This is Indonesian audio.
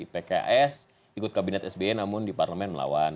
pks ikut kabinet sby namun di parlemen melawan